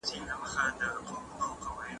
د حق ویلو جرات په هر چا کي نه وي.